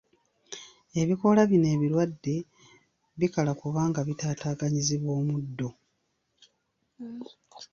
Ebikoola bino ebirwadde bikala kubanga bitataaganyizibwa omuddo.